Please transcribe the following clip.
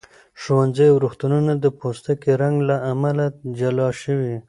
ښوونځي او روغتونونه د پوستکي رنګ له امله جلا شوي.